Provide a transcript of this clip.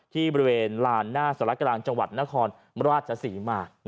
ที่บริเวณลานหน้าสระกลางจังหวัดนครราชศรีมา